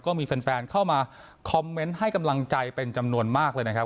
ก็มีแฟนเข้ามาคอมเมนต์ให้กำลังใจเป็นจำนวนมากเลยนะครับ